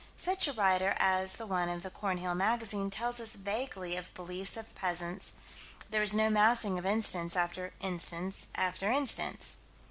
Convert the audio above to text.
Such a writer as the one of the Cornhill Magazine tells us vaguely of beliefs of peasants: there is no massing of instance after instance after instance.